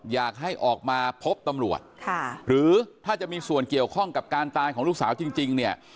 อยากให้ออกมาพบตำรวจค่ะหรือถ้าจะมีส่วนเกี่ยวข้องกับการตายของลูกสาวจริงเนี่ย